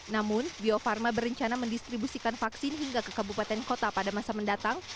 namun bio farma berencana mendistribusikan vaksin hingga ke kabupaten kota pada masa mendatang